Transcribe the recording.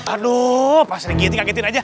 aduh pak sri kitty kagetin aja